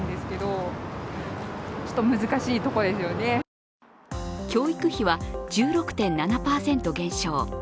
更に教育費は１６．７％減少。